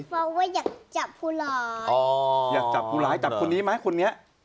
บอกว่าอยากจับผู้ร้ายอ๋ออยากจับผู้ร้ายจับคนนี้ไหมคนนี้